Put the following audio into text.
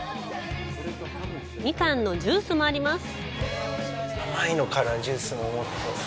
ミカンのジュースもあります。